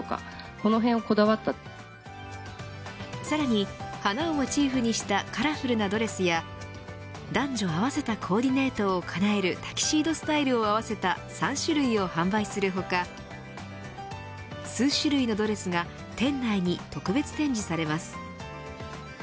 さらに花をモチーフにしたカラフルなドレスや男女合わせたコーディネートをかなえるタキシードスタイルを合わせた３種類を販売する他数種類のドレスが店内に特別展示されます。